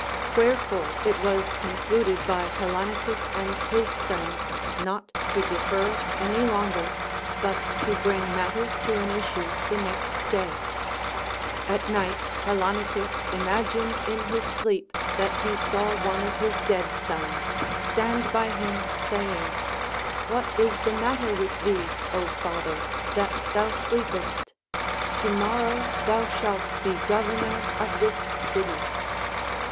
ΛVherefore it was concluded by Hellanicus and his friends not to defer any longer, but to bring matters to an issue the next day. 3G2 CONCERNING THE VIRTUES OF WOMEN. At night Hellanicus imagined in his sleep that he saw one of his dead sons stand by him saying, What is the matter with thee, Ο father ! that thou sleepest ? To morrow thou shalt be governor of this city.